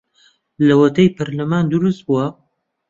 لەوەتەی پەرلەمان دروست بووە